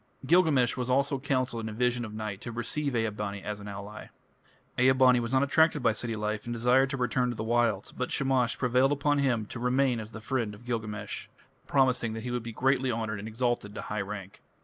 Gilgamesh was also counselled in a vision of night to receive Ea bani as an ally. Ea bani was not attracted by city life and desired to return to the wilds, but Shamash prevailed upon him to remain as the friend of Gilgamesh, promising that he would be greatly honoured and exalted to high rank.